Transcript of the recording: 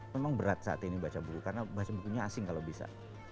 memang berat saat ini baca buku karena baca bukunya asing kalau bisa